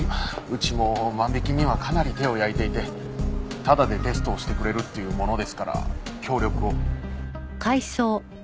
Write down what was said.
うちも万引きにはかなり手を焼いていてタダでテストをしてくれるって言うものですから協力を。